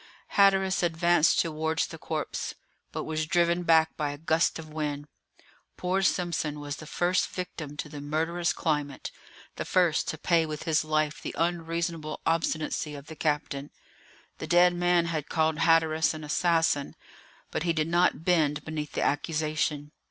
Hatteras advanced towards the corpse, but was driven back by a gust of wind. Poor Simpson was the first victim to the murderous climate, the first to pay with his life the unreasonable obstinacy of the captain. The dead man had called Hatteras an assassin, but he did not bend beneath the accusation.